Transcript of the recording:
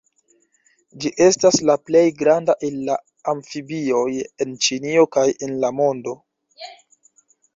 Ĝi estas la plej granda el la amfibioj en Ĉinio kaj en la mondo.